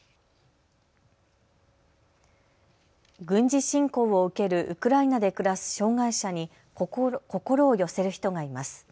軍事侵攻を受けるウクライナで暮らす障害者に心を寄せる人がいます。